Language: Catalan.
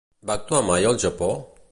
Va actuar mai al Japó?